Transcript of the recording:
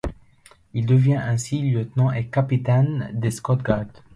Il devient ainsi lieutenant et capitaine des Scots Guards.